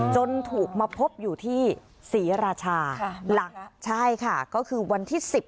จนถูกมาพบอยู่ที่ศรีราชาหลักใช่ค่ะก็คือวันที่๑๐